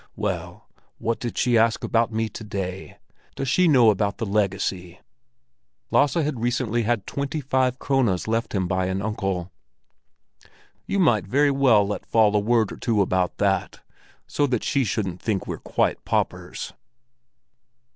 Well, what did she ask about me to day? Does she know about the legacy?" (Lasse had recently had twenty five krones left him by an uncle.) "You might very well let fall a word or two about that, so that she shouldn't think we're quite paupers."